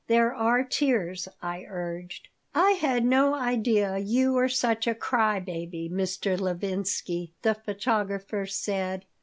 There are tears," I urged "I had no idea you were such a cry baby, Mr. Levinsky," the photographer said.